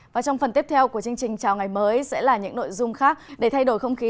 và trong phần tiếp theo của chương trình chào ngày mới sẽ là những nội dung khác để thay đổi không khí